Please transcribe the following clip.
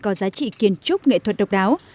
có giá trị kiến trúc nghệ thuật độc đáo